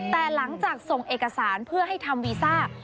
แต่หลังจากส่งเอกสารเพื่อให้ทำวีซ่า